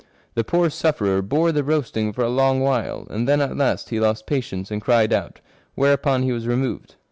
The poor sufferer bore the roasting for a long while, and then at last he lost patience and cried out ; where upon he was removed.